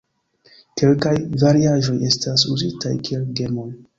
Kelkaj variaĵoj estas uzitaj kiel gemoj.